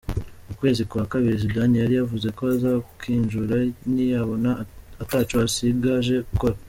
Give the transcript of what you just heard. Mu kwezi kwa kabiri, Zidane yari yavuze ko azokinjura n'iyabona "ataco asigaje gukora".